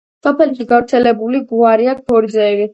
სოფელში გავრცელებული გვარია ქორიძეები.